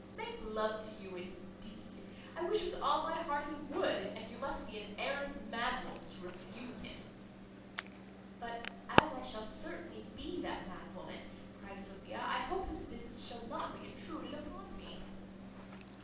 Make love to you indeed! I wish with all my heart he would, and you must be an arrant mad woman to refuse him." "But as I shall certainly be that mad woman," cries Sophia, "I hope his visits shall not be intruded upon me."